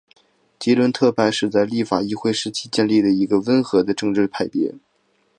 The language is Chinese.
吉伦特派是在立法议会时期建立的一个温和的政治派别。